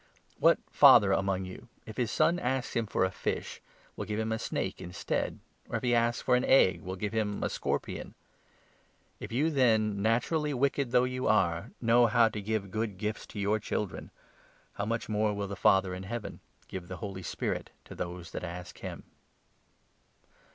What u father among you, if his son asks him for a fish, will give him a snake instead, or, if he asks for an egg, will give him 12 a scorpion ? If you, then, naturally wicked though you 13 are, know how to give good gifts to your children, how much more will the Father in Heaven give the Holy Spirit to those that ask him